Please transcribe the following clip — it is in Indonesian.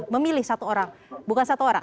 memilih satu orang bukan satu orang